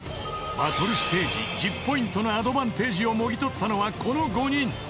［バトルステージ１０ポイントのアドバンテージをもぎ取ったのはこの５人］